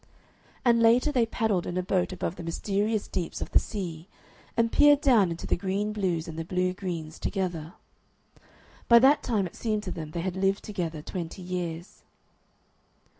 And later they paddled in a boat above the mysterious deeps of the See, and peered down into the green blues and the blue greens together. By that time it seemed to them they had lived together twenty years.